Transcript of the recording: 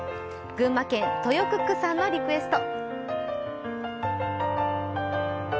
群馬県トヨクックさんのリクエスト。